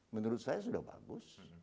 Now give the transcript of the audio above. menurut saya sudah bagus